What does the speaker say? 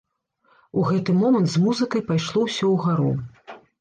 У гэты момант з музыкай пайшло ўсё ўгару.